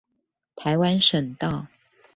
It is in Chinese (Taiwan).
台灣省道